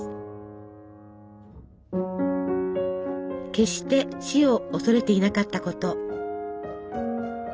決して死を恐れていなかったこと。